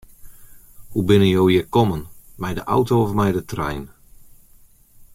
Hoe binne jo hjir kommen, mei de auto of mei de trein?